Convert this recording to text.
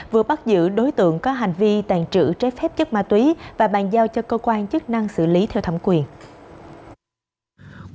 vừa bắt giữ đối tượng có hành vi tàn trữ trái phép chất ma túy và bàn giao cho cơ quan chức năng xử lý theo thẩm quyền